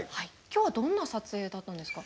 今日はどんな撮影だったんですか？